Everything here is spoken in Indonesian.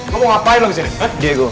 kamu ngapain lo kesini